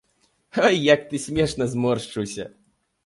Ой, як ты смешна зморшчыўся!